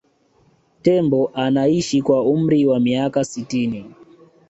tembo anaishi kwa umri wa miaka sitini